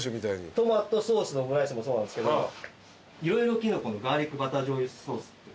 トマトソースのオムライスもそうなんですけど色々キノコのガーリックバター醤油ソース